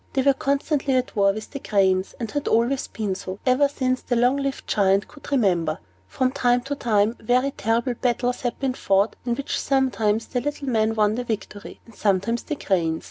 They were constantly at war with the cranes, and had always been so, ever since the long lived Giant could remember. From time to time, very terrible battles had been fought in which sometimes the little men won the victory, and sometimes the cranes.